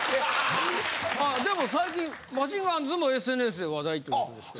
あでも最近マシンガンズもＳＮＳで話題という事ですが。